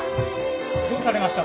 どうされました？